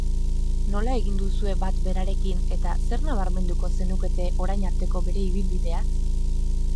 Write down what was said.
Nola egin duzue bat berarekin eta zer nabarmenduko zenukete orain arteko bere ibilbideaz?